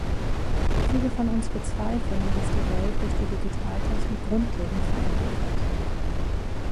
Viele von uns bezweifeln, dass die Welt durch die Digitaltechnik grundlegend verändert wird.